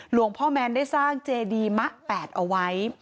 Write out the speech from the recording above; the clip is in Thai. หลวงพ่อแมนได้สร้างเจดีมะแปดเอาไว้